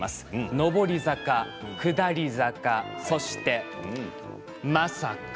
上り坂、下り坂そして、まさか。